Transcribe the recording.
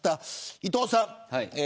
伊藤さん。